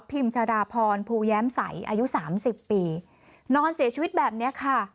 ผิมชาดาพรภูแย้มใสอายุ๓๐ปีนอนเสียชีวิตแบบนี้ค่ะ